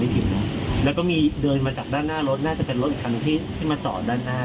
แล้วก็มีเดินมาจากด้านหน้ารถน่าจะเป็นรถอีกคันที่มาจอดด้านหน้า